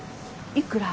いくら。